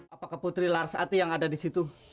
apakah putri larsati yang ada disitu